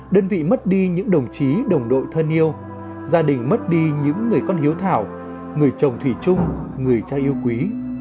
đơn vị mất đi những đồng chí đồng đội thân yêu gia đình mất đi những người con hiếu thảo người chồng thủy chung người cha yêu quý